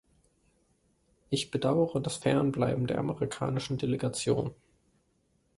Ich bedauere das Fernbleiben der amerikanischen Delegation.